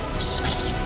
しかし！